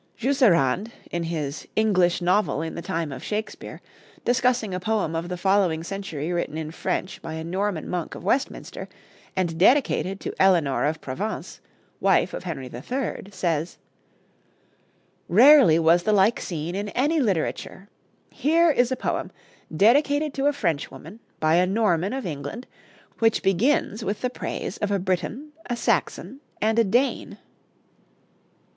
Jusserand, in his 'English Novel in the Time of Shakespeare,' discussing a poem of the following century written in French by a Norman monk of Westminster and dedicated to Eleanor of Provence, wife of Henry III., says: "Rarely was the like seen in any literature: here is a poem dedicated to a Frenchwoman by a Norman of England, which begins with the praise of a Briton, a Saxon, and a Dane."